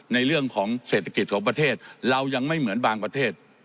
ในเรื่องของเศรษฐกิจของประเทศเรายังไม่เหมือนบางประเทศ